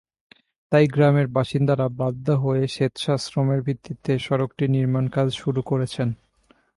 তাই গ্রামের বাসিন্দারা বাধ্য হয়ে স্বেচ্ছাশ্রমের ভিত্তিতে সড়কটির নির্মাণকাজ শুরু করেছেন।